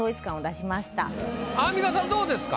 アンミカさんどうですか？